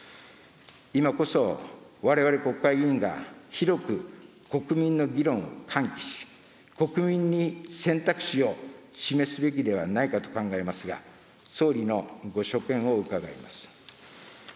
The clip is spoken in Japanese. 今こそわれわれ国会議員が、広く国民の議論を喚起し、国民に選択肢を示すべきではないかと考えますが、総理のご所見を伺います。